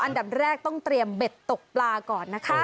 อันดับแรกต้องเตรียมเบ็ดตกปลาก่อนนะคะ